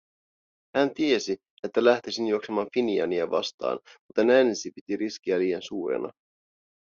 Hän tiesi, että lähtisin juoksemaan Finiania vastaan, mutta Nancy piti riskiä liian suurena.